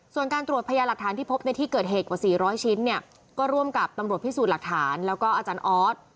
ส่วนการตรวจพยาหลักฐานที่พบในที่เกิดเหตุกว่า๔๐๐ชิ้นเนี่ยก็ร่วมกับตำรวจพิสูจน์หลักฐานแล้วก็อาจารย์ออส